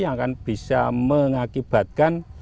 akan bisa mengakibatkan